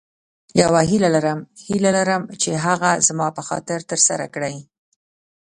یوه هیله لرم هیله لرم چې هغه زما په خاطر تر سره کړې.